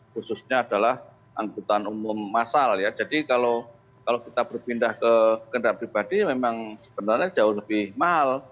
khususnya adalah angkutan umum masal ya jadi kalau kita berpindah ke kendaraan pribadi memang sebenarnya jauh lebih mahal